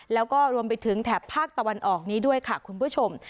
แล้วก็รวมไปถึงแถบภาคตะวันออกนี้ด้วยค่ะคุณผู้ชม